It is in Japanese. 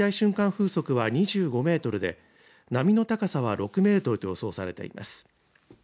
風速は２５メートルで波の高さは６メートルと予想されています。